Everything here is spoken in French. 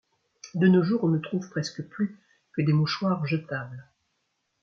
De nos jours, on ne trouve presque plus que des mouchoirs jetables.